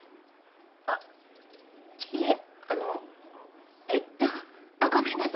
あいえあのえっとあっごめんなさい。